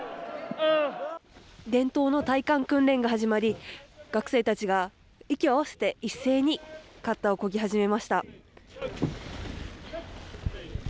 伝統の耐寒訓練が始まり学生たちが息を合わせて一斉にカッターをこぎ始めました。